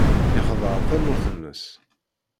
Yexdeɛ tamurt-nnes.